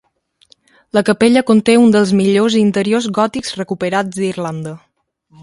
La capella conté un dels millors interiors gòtics recuperats d'Irlanda.